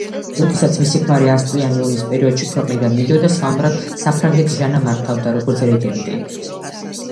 როდესაც მისი ქმარი ასწლიანი ომის პერიოდში ქვეყნიდან მიდიოდა საომრად, საფრანგეთს ჟანა მართავდა, როგორც რეგენტი.